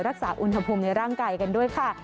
รักษาอุณหภูมิในร่างกายกันด้วยค่ะ